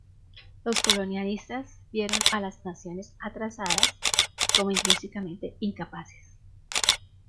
Los colonialistas vieron a las naciones "atrasadas" como intrínsecamente incapaces.